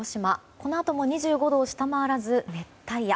このあとも２５度を下回らず熱帯夜。